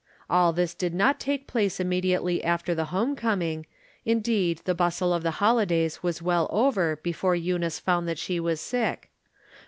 All this did not take place im mediately after the home coming; indeed, the bustle of the holidays was well over before Eu nice found that she was sick.